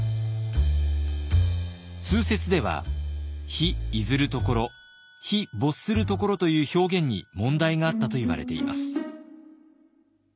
通説では「日出ずる処」「日没する処」という表現に問題があったといわれています。